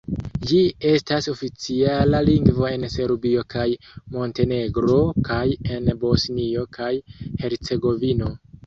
Ĝi estas oficiala lingvo en Serbio kaj Montenegro kaj en Bosnio kaj Hercegovino.